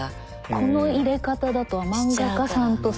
この入れ方だと漫画家さんとさ